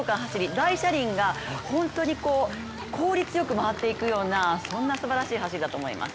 大車輪が本当に効率よく回っていくような、そんなすばらしい走りだと思います。